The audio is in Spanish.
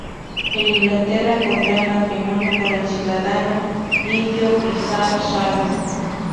En Inglaterra contrae matrimonio con el ciudadano indio Vijay Sharma.